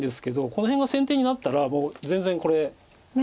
この辺が先手になったらもう全然これ。